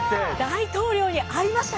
大統領に会いました。